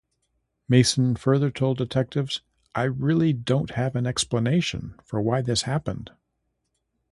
Mason further told detectives, I really don't have an explanation for why this happened.